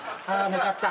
寝ちゃった。